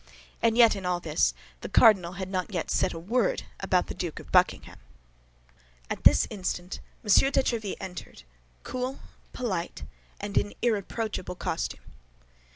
And yet, in all this, the cardinal had not yet said a word about the Duke of Buckingham. At this instant M. de Tréville entered, cool, polite, and in irreproachable costume.